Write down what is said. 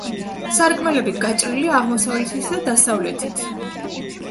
სარკმლები გაჭრილია აღმოსავლეთით და დასავლეთით.